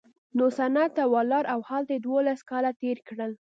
نو سند ته ولاړ او هلته یې دوولس کاله تېر کړل.